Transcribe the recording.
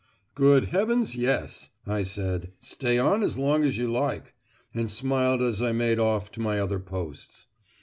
"Good heavens, yes," I said, "stay on as long as you like," and smiled as I made off to my other posts.